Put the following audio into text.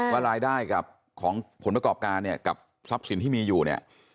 ว่ารายได้กับของผลประกอบการเนี่ยกับทรัพย์สินที่มีอยู่เนี่ย